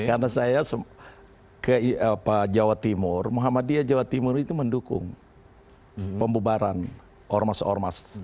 karena saya ke jawa timur muhammadiyah jawa timur itu mendukung pembubaran ormas ormas